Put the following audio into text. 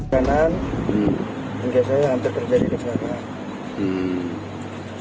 kanan hingga saya hampir terjadi kesalahan